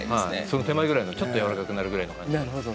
その手前ぐらいのちょっとやわらかくなるぐらいの感じで。